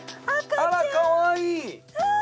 あらかわいい。